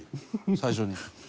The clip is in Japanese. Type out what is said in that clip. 最初に。